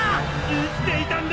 生きていたんだ！